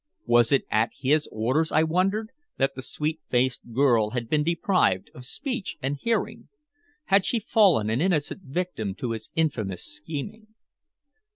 Was it at his orders, I wondered, that the sweet faced girl had been deprived of speech and hearing? Had she fallen an innocent victim to his infamous scheming?